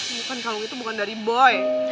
ini kan kalung itu bukan dari boy